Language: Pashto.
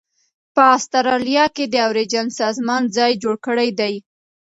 په اسټرالیا کې د اوریجن سازمان ځای جوړ کړی دی.